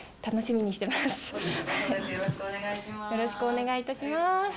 よろしくお願いします。